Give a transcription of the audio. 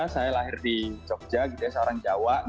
saya lahir di jogja jadi saya orang jawa